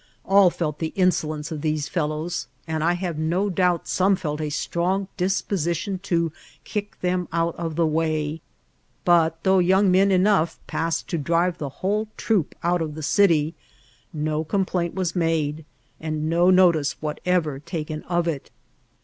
All felt Ae inselenea of theeefellowB, and Z hare no doidit some £eh a strong dispositioa to Mek them out of the way ; but, though yomg men enough passed to drire the whole troop ont €vf the city, no oomplaint was made, and no notice artiaterer taken of it.